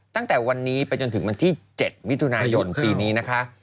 ตั้งแต่วันนี้ไปจนถึง๗วิทยุปีนี้นะคะ